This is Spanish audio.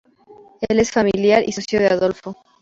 Él es familiar y socio de Adolfo.